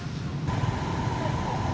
pembangunan jalan raya